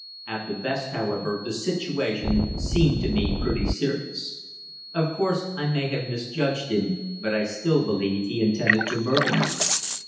At the best, however, the situation seemed to me pretty serious. Of course I may have misjudged him, but I still believe he intended to murder me.